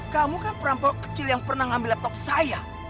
kamu kan perampok kecil yang pernah ngambil laptop saya